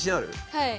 はい。